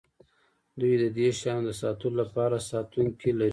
دوی د دې شیانو د ساتلو لپاره ساتونکي لري